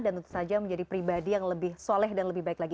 dan tentu saja menjadi pribadi yang lebih soleh dan lebih baik lagi